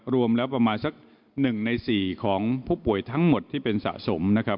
รวมแล้วประมาณสัก๑ใน๔ของผู้ป่วยทั้งหมดที่เป็นสะสมนะครับ